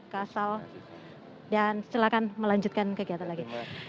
kasal dan silakan melanjutkan kegiatan lagi